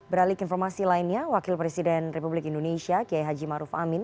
beralik informasi lainnya wakil presiden republik indonesia kiai haji maruf amin